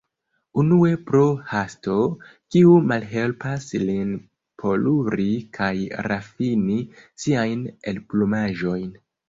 Unue pro hasto, kiu malhelpas lin poluri kaj rafini siajn elplumaĵojn.